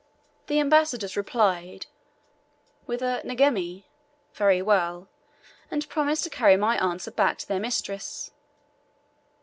The ambassadors replied with a "Ngema" (very well), and promised to carry my answer back to their mistress.